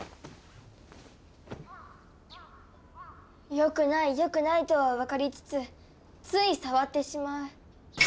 よくないよくないとはわかりつつつい触ってしまう。